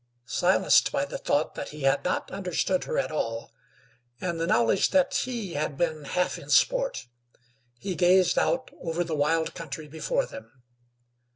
Silenced by the thought that he had not understood her at all, and the knowledge that he had been half in sport, he gazed out over the wild country before them.